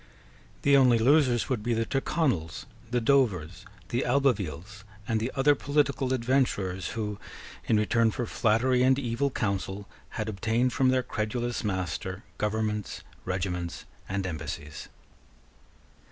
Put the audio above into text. The only losers would be the Tyrconnels, the Dovers, the Albevilles, and the other political adventurers who, in return for flattery and evil counsel, had obtained from their credulous master governments, regiments, and embassies.